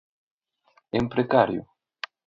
¿En precario?